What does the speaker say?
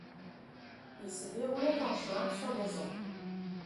Il se déroulait en juin sur gazon.